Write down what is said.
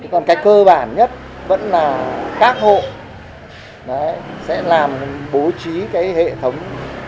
còn cái cơ bản nhất vẫn là các hộ sẽ làm bố trí cái hệ thống